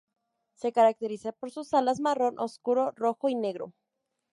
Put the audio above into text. Se caracteriza por sus alas marrón oscuro, rojo y negro.